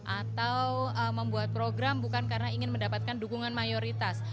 atau membuat program bukan karena ingin mendapatkan dukungan mayoritas